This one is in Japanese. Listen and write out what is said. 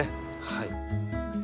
はい。